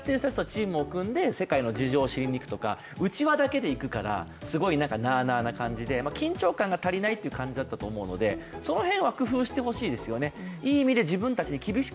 チームを組んで世界の事情を知りに行くとか、うちわだけで行くからすごくなあなあな感じで、緊張感が足りないという感じだったと思うので、その辺は工夫してほしいですよね。